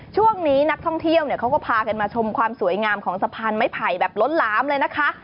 ช่วงนี้นักท่องเที่ยวเนี่ยเขาก็พากันมาชมความสวยงามของสะพานไม้ไผ่แบบล้นหลามเลยนะคะ